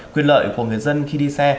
quyền lợi của người dân khi đi xe